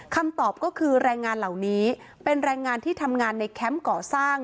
คำตอบก็คือแรงงานเหล่านี้เป็นแรงงานที่ทำงานในแคมป์ก่อสร้าง